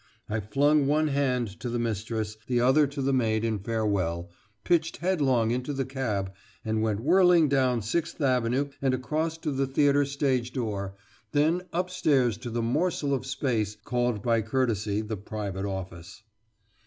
I flung one hand to the mistress, the other to the maid in farewell, pitched headlong into the cab, and went whirling down Sixth Avenue and across to the theatre stage door, then upstairs to the morsel of space called by courtesy the private office.